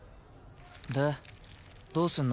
でどうすんの？